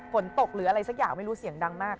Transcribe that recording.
ฝนตกหรืออะไรสักอย่างไม่รู้เสียงดังมาก